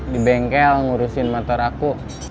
di bengkel ngurusin motor aku